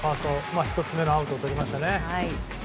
１つ目のアウトをとりました。